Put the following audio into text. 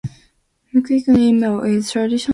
Mesquite meal is a traditional Native American food.